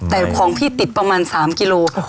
แต่ของพี่ติดประมาณ๓กิโล